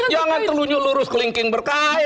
jangan telunjuk lurus kelingking berkait